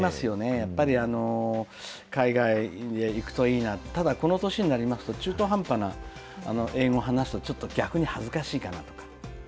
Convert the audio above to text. やっぱり海外行くといいな、ただこの年になりますと、中途半端な英語を話すとちょっと逆に恥ずかしいかなとか。